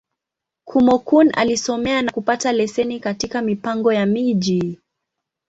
Kúmókụn alisomea, na kupata leseni katika Mipango ya Miji.